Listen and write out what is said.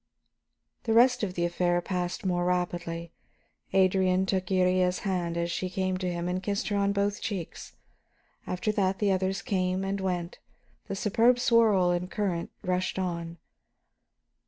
The rest of the affair passed more rapidly. Adrian took Iría's hands as she came to him and kissed her on both cheeks. After that the others came and went, the superb swirl and current rushed on.